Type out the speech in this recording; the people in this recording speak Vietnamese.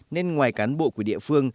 nên ngoài cán bộ của địa phương